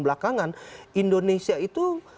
belakangan indonesia itu